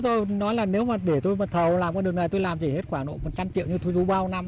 tôi nói là nếu mà để tôi mà thầu làm con đường này tôi làm chỉ hết khoảng một trăm linh triệu như thu du bao năm